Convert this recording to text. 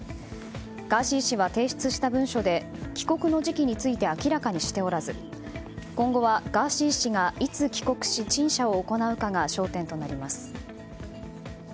ガーシー氏は提出した文書で帰国の時期について明らかにしておらず今後はガーシー氏がいつ帰国し陳謝を行うかが焦点となります。